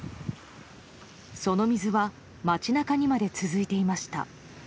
その水は街中にまで続いていました。